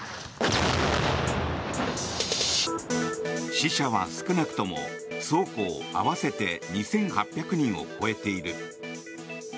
死者は少なくとも双方合わせて２８００人を超えている。